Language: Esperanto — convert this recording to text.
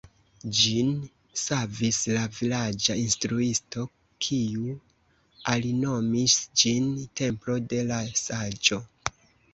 Ĝin savis la vilaĝa instruisto, kiu alinomis ĝin «Templo de la Saĝo».